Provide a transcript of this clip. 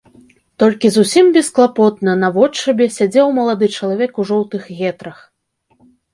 Толькі зусім бесклапотна, наводшыбе, сядзеў малады чалавек у жоўтых гетрах.